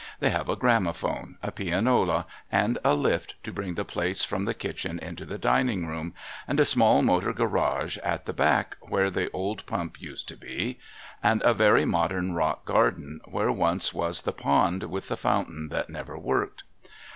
They have a gramophone, a pianola, and a lift to bring the plates from the kitchen into the dining room, and a small motor garage at the back where the old pump used to be, and a very modern rock garden where once was the pond with the fountain that never worked.